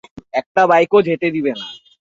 একটা বাইকও যেতে দিবে না।